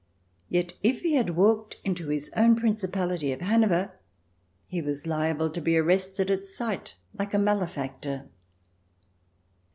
Yet if he had walked into his own principality of Hanover, he was liable to be arrested at sight like a malefactor.